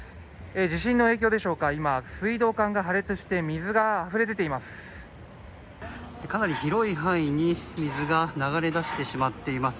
地震の影響でしょうか、今、水道管が破裂して水があふれ出ています。